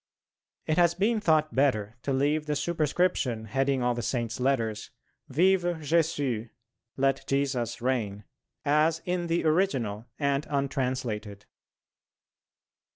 It has been thought better to leave the superscription heading all the Saint's letters, "Vive Jésus" (Let Jesus reign), as in the original, and untranslated.